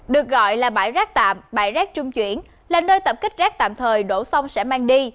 được gọi là bãi rác tạm bãi rác trung chuyển là nơi tập kết rác tạm thời đổ xong sẽ mang đi